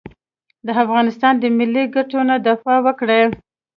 د افغانستان د ملي ګټو نه دفاع وکړي.